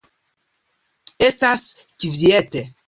Estas kviete.